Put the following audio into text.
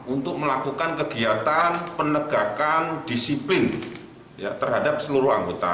untuk melakukan kegiatan penegakan disiplin terhadap seluruh anggota